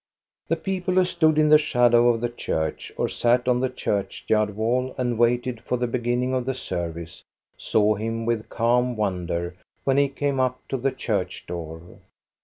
The people who stood in the shadow of the church or sat on the churchyard wall and waited for the beginning of the service, saw him with calm wonder when he came up to the church door.